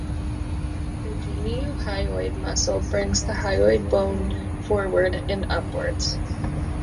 The geniohyoid muscle brings the hyoid bone forward and upwards.